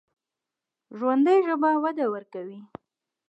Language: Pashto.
ژوندي ژبه وده ورکوي